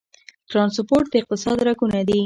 ټرانسپورټ د اقتصاد رګونه دي